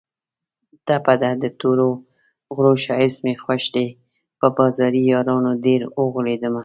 ټپه ده: د تورو غرو ښایست مې خوښ دی په بازاري یارانو ډېر اوغولېدمه